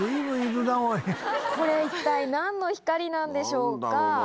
これ、一体なんの光なんでしょうか？